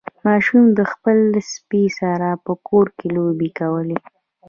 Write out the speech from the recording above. ماشوم د خپل سپي سره په کور کې لوبې کولې.